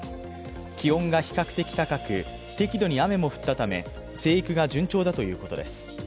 気温が比較的高く適度に雨も降ったため生育が順調だということです。